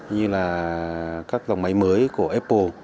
như là các dòng máy mới của apple